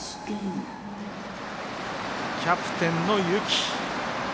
キャプテンの幸。